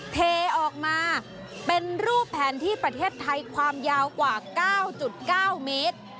เทออกมาเป็นรูปแผนที่ประเทศไทยความยาวกว่า๙๙เมตร